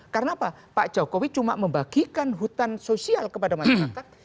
karena apa pak jokowi cuma membagikan hutan sosial kepada masyarakat